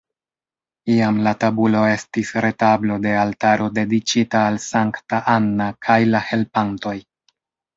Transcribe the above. Iam la tabulo estis retablo de altaro dediĉita al Sankta Anna kaj la helpantoj.